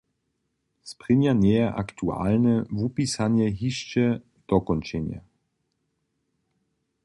Sprěnja njeje aktualne wupisanje hišće dokónčene.